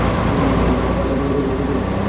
তাকে তোমার জন্য মরতে দিও না।